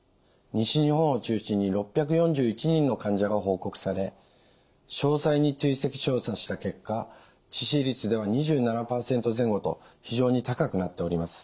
西日本を中心に６４１人の患者が報告され詳細に追跡調査した結果致死率では２７％前後と非常に高くなっております。